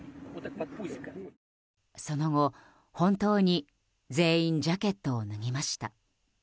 その後、本当に全員ジャケットを脱ぎました。